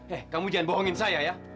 eh kamu jangan bohongin saya ya